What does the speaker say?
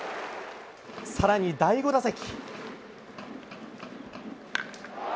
さらに第５打席。